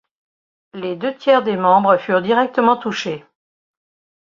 Les deux tiers des membres furent directement touchés.